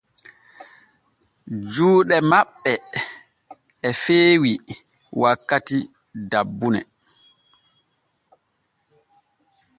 Juuɗe maɓɓ e feewi wakkati dabbune.